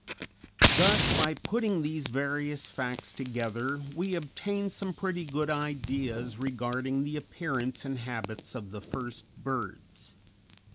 ] Thus, by putting these various facts together we obtain some pretty good ideas regarding the appearance and habits of the first birds.